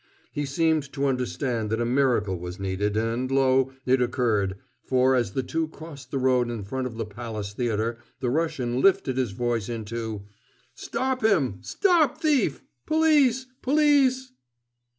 He seemed to understand that a miracle was needed, and lo, it occurred, for, as the two crossed the road in front of the Palace Theater, the Russian lifted his voice into: "Stop him! Stop thief! Police! Police!"